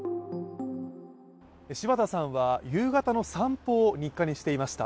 柴田さんは夕方の散歩を日課にしていました。